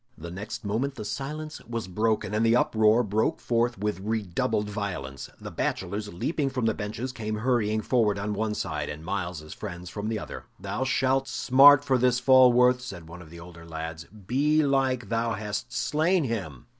The next moment the silence was broken, and the uproar broke forth with redoubled violence. The bachelors, leaping from the benches, came hurrying forward on one side, and Myles's friends from the other. "Thou shalt smart for this, Falworth," said one of the older lads. "Belike thou hast slain him!"